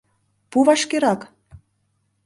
Пу вашкерак!